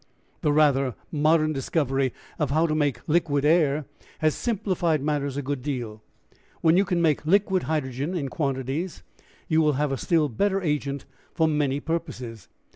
"The rather modern discovery of how to make liquid air has simplified matters a good deal. When you can make liquid hydrogen in quantities you will have a still better agent for many purposes.